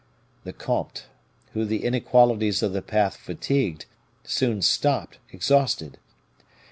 The comte, whom the inequalities of the path fatigued, soon stopped, exhausted.